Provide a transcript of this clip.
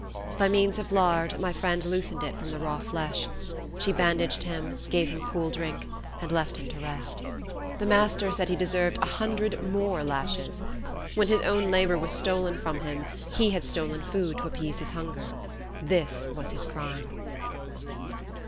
By means of lard, my friend loosened it from the raw flesh. She bandaged him, gave him cool drink, and left him to rest. The master said he deserved a hundred more lashes. When his own labor was stolen from him, he had stolen food to appease his hunger. This was his crime.